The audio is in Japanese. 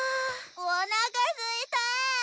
おなかすいたぁ。